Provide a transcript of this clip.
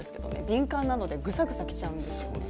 敏感なのでグサグサきちゃうんですよね。